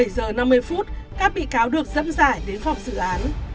bảy giờ năm mươi phút các bị cáo được dẫm giải đến phòng dự án